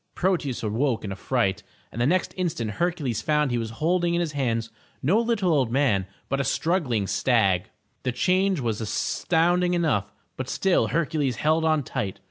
Proteus awoke in a fright, and the next instant Hercules found he was holding in his hands no little old man, but a struggling stag. The change was astounding enough but still Hercules held on tight.